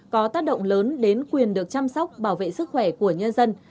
có tác động lớn đến quyền được chăm sóc bảo vệ sức khỏe của nhân dân